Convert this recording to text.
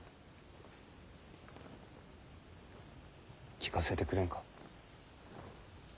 聞かせてくれんか？